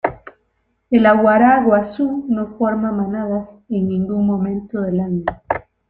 El aguará guazú no forma manadas en ningún momento del año.